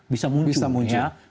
bisa muncul ya